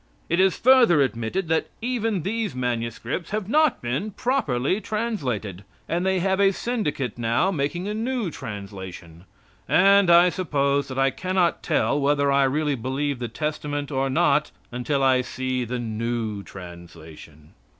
It is further admitted that even these manuscripts have not been properly translated, and they have a syndicate now making a new translation; and I suppose that I cannot tell whether I really believe the Testament or not until I see that new translation.